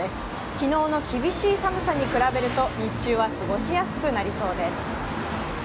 昨日の厳しい寒さに比べると日中は過ごしやすくなりそうです。